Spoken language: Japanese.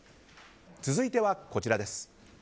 続いては、こちらです。